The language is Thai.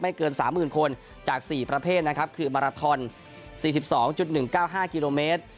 เกิน๓๐๐๐คนจาก๔ประเภทนะครับคือมาราทอน๔๒๑๙๕กิโลเมตร